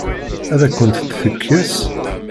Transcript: Ad akent-tt-tekkes?